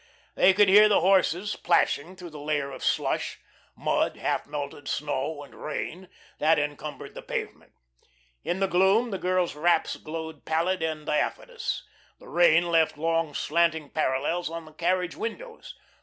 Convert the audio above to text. They could hear the horses plashing through the layer of slush mud, half melted snow and rain that encumbered the pavement. In the gloom the girls' wraps glowed pallid and diaphanous. The rain left long, slanting parallels on the carriage windows.